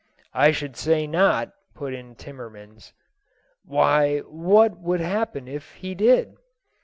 "I should say not!" put in Timmans. "Why, what would happen if he did?"